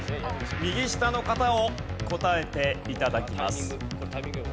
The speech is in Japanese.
右下の方を答えて頂きます。